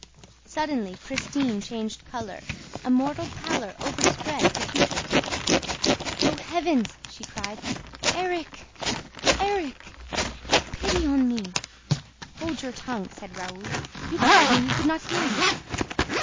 Suddenly Christine changed color. A mortal pallor overspread her features. "Oh heavens!" she cried. "Erik! Erik! Have pity on me!" "Hold your tongue!" said Raoul. "You told me he could hear you!"